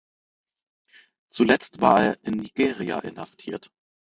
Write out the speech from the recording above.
Zuletzt war er in Nigeria inhaftiert.